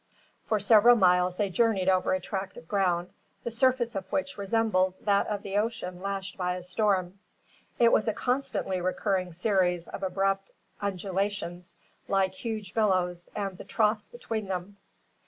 For several miles they journeyed over a tract of ground, the surface of which resembled that of the ocean lashed by a storm. It was a constantly recurring series of abrupt undulations, like huge billows and the troughs between them.